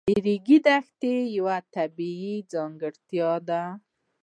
د ریګ دښتې یوه طبیعي ځانګړتیا ده.